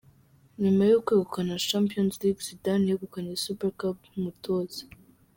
nyuma yo kwegukana champions League Zidane yegukanye Super Cup nk’umutoza